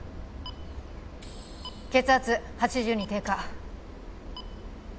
血圧８０に低下。